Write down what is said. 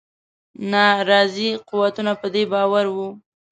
ناراضي قوتونه په دې باور وه.